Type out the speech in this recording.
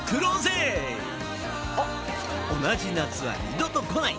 同じ夏は二度と来ない！